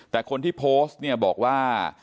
แต่คนที่โพสต์เนี่ยบอกว่า